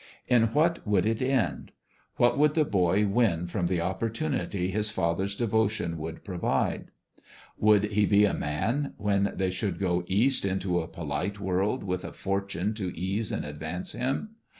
In what would it end ? What would the boy win from the opportunity his father's devotion would provide ? Would he be a man, when they should go East into a polite world, with a fortune to ease and advance him